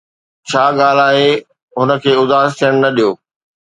ڇا ڳالهه آهي، هن کي اداس ٿيڻ نه ڏيو